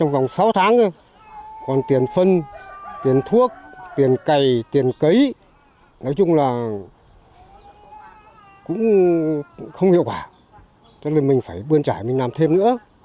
để ngâm ủ